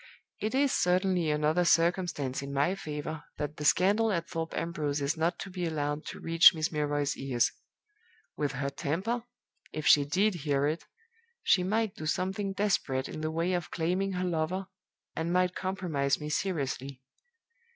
It is certainly another circumstance in my favor that the scandal at Thorpe Ambrose is not to be allowed to reach Miss Milroy's ears. With her temper (if she did hear it) she might do something desperate in the way of claiming her lover, and might compromise me seriously.